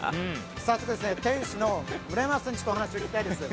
早速、店主の村山さんにお話を聞きたいです。